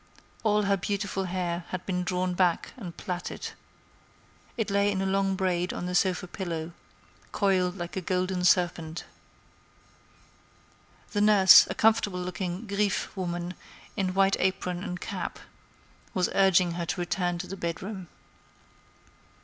All her beautiful hair had been drawn back and plaited. It lay in a long braid on the sofa pillow, coiled like a golden serpent. The nurse, a comfortable looking Griffe woman in white apron and cap, was urging her to return to her bedroom.